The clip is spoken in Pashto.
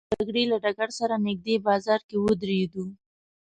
موږ د جګړې له ډګر سره نږدې بازار کې ودرېدو.